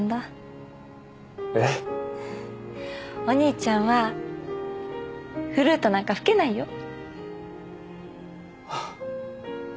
お兄ちゃんはフルートなんか吹けないよ。